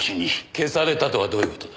消されたとはどういう事だ？